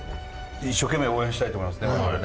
一生懸命応援したいと思いますね